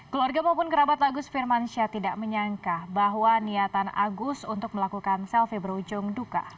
keluarga maupun kerabat agus firmansyah tidak menyangka bahwa niatan agus untuk melakukan selfie berujung duka